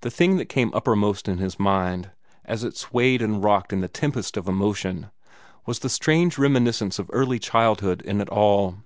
The thing that came uppermost in his mind, as it swayed and rocked in the tempest of emotion, was the strange reminiscence of early childhood in it all.